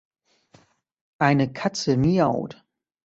Eine Katze miaut.